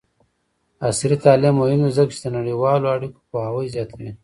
عصري تعلیم مهم دی ځکه چې د نړیوالو اړیکو پوهاوی زیاتوي.